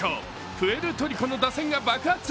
プエルトリコの打線が爆発。